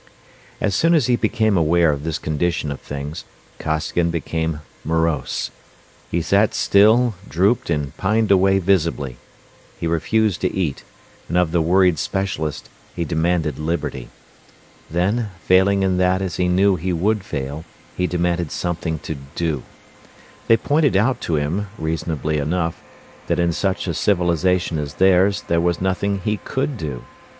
As soon as he became aware of this condition of things Costigan became morose. He sat still, drooped, and pined away visibly. He refused to eat, and of the worried specialist he demanded liberty. Then, failing in that as he knew he would fail, he demanded something to do. They pointed out to him, reasonably enough, that in such a civilization as theirs there was nothing he could do.